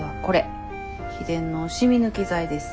秘伝の染み抜き剤です。